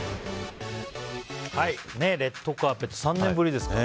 レッドカーペット３年ぶりですか。